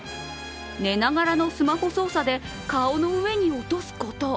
寝ながらのスマホ操作で顔の上に落とすこと。